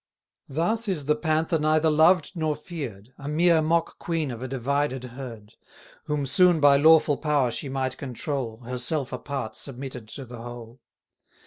Thus is the Panther neither loved nor fear'd, A mere mock queen of a divided herd; Whom soon by lawful power she might control, Herself a part submitted to the whole.